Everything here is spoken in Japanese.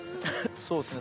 そうですね。